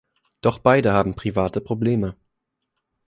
Doch beide haben private Probleme.